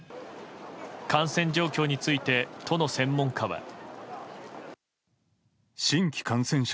感染状況について都の専門家は。